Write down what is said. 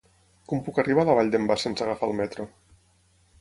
Com puc arribar a la Vall d'en Bas sense agafar el metro?